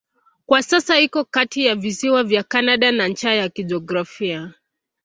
Kwa sasa iko kati ya visiwa vya Kanada na ncha ya kijiografia.